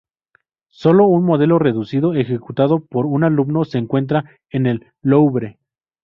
Sólo un modelo reducido ejecutado por un alumno se encuentra en el Louvre.